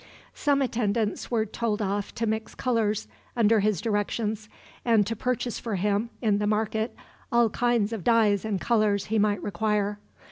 Some attendants were told off to mix colors under his directions, and to purchase for him, in the market, all kinds of dyes and colors he might require.